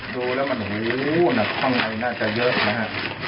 ดูแล้วมันโอ้โหหนักข้างในน่าจะเยอะนะฮะ